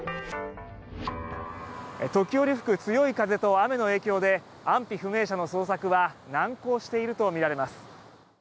時折吹く強い風と雨の影響で安否不明者の捜索は難航しているとみられます。